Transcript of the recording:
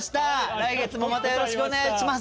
来月もまたよろしくお願いします！